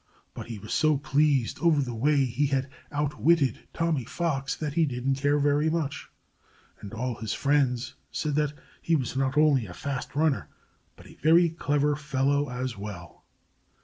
But he was so pleased over the way he had outwitted Tommy Fox that he didn't care very much. And all his friends said that he was not only a fast runner, but a very clever fellow as well.